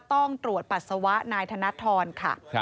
ต้องตรวจปัสสาวะนายธนทรค่ะ